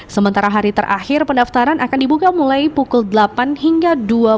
sementara hari terakhir pendaftaran akan dibuka mulai pukul delapan hingga dua puluh